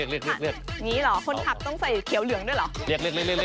คนทับต้องใส่เขียวเหลืองด้วยเหรอ